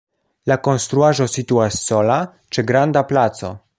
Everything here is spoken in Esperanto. La konstruaĵo situas sola ĉe granda placo.